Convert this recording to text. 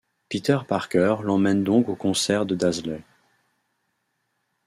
Peter Parker l'emmène donc au concert de Dazzler.